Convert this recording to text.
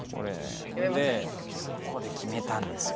そこで決めたんですよ